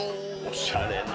おしゃれな。